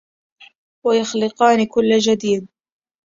وَيُخْلِقَانِ كُلَّ جَدِيدٍ